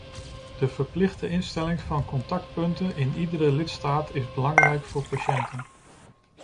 De verplichte instelling van contactpunten in iedere lidstaat is belangrijk voor patiënten.